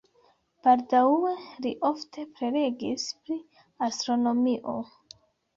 Baldaŭe li ofte prelegis pri astronomio.